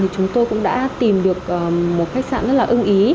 chúng tôi cũng đã tìm được một khách sạn rất là ưng ý